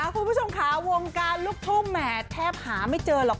คุณผู้ชมค่ะวงการลูกทุ่งแหมแทบหาไม่เจอหรอก